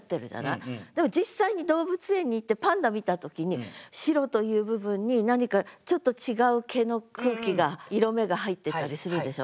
でも実際に動物園に行ってパンダ見た時に白という部分に何かちょっと違う毛の空気が色目が入ってたりするでしょ。